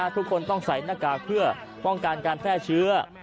ทุกคนต้องใส่หน้ากากเพื่อป้องกันการแพร่เชื้อ